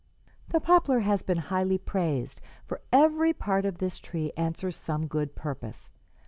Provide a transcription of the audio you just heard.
"The poplar has been highly praised, for every part of this tree answers some good purpose.